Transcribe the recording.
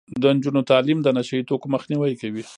د نجونو تعلیم د نشه يي توکو مخنیوی کوي.